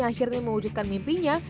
akhirnya mewujudkan mimpinya